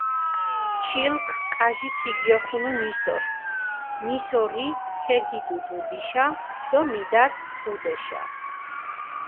ჩილქ კაჟი ქიგიოხუნუ ნისორს, ნისორი ქეგიდუ დუდიშა დო მიდართჷ ჸუდეშა.